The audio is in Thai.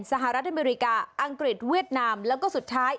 สหรัฐอเมริกาอังกฤษเวียดนามแล้วก็สุดท้าย